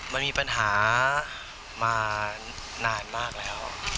มันมีปัญหามานานมากแล้ว